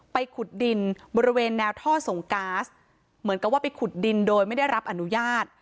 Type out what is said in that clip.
ขุดดินบริเวณแนวท่อส่งก๊าซเหมือนกับว่าไปขุดดินโดยไม่ได้รับอนุญาต